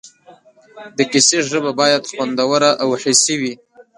د کیسې ژبه باید خوندوره او حسي وي.